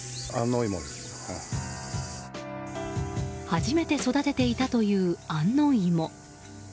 初めて育てていたという安納芋。